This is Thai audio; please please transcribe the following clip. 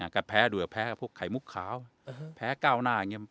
อ่าก็แพ้ดูกับแพ้พวกไข่มุกขาวอืมแพ้ก้าวหน้าอย่างเงี้ย